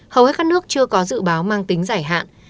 hầu hết các nước chưa có dự báo mang tính giải hạn